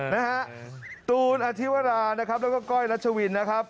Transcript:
นะฮะตูนอธิวรานะครับแล้วก็ก้อยรัชวินนะครับ